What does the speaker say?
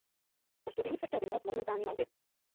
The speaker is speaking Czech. Po studiích se chtěl věnovat monumentální malbě.